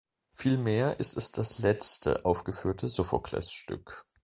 Vielmehr ist es das letzte aufgeführte Sophokles-Stück.